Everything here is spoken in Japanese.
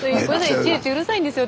いちいちうるさいんですよ